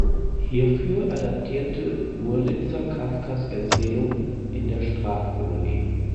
Hierfür adaptierte Wurlitzer Kafkas Erzählung "In der Strafkolonie".